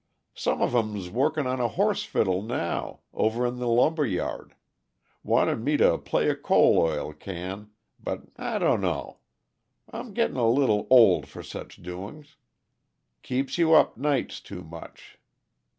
Some of 'em's workin' on a horse fiddle now, over in the lumber yard. Wanted me to play a coal oil can, but I dunno. I'm gittin' a leetle old for sech doings. Keeps you up nights too much.